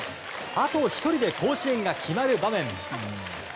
あと１人で甲子園が決まる場面。